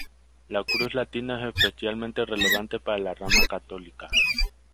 La cruz latina es especialmente relevante para la rama católica.